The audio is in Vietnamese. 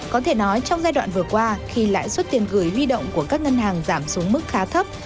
có thể nói trong giai đoạn vừa qua khi lãi suất tiền gửi huy động của các ngân hàng giảm xuống mức khá thấp